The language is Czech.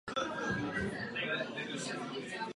Následující sezonu hrál za juniorku.